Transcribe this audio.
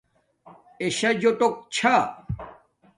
اݺ شݳ جݸٹݸک چھݳ.